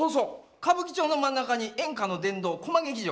歌舞伎町の真ん中に演歌の殿堂コマ劇場。